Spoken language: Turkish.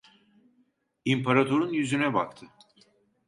İmparator'un yüzüne baktı...